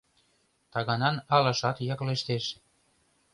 Таганан алашат яклештеш.